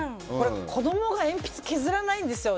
子供が鉛筆削らないんですよ